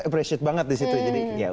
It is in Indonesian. appreciate banget di situ jadi ya udah